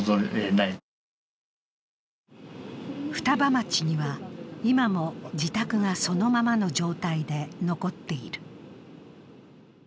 双葉町には今も自宅がそのままの状態で残っている。